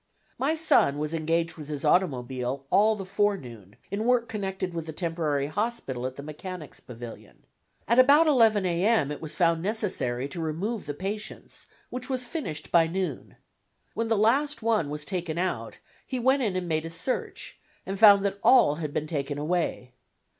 My son was engaged with his automobile all the forenoon in work connected with the temporary hospital at the Mechanics' Pavilion. At about 11 A. M. it was found necessary to remove the patients, which was finished by noon. When the last one was taken out, he went in and made a search, and found that all had been taken away.